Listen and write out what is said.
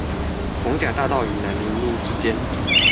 艋舺大道與南寧路之間